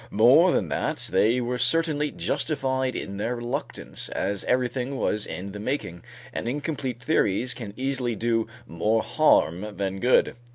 More than that, they were certainly justified in their reluctance, as everything was in the making, and incomplete theories can easily do more harm than good.